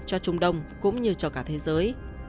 cho trung đông cũng như cho cả thế giới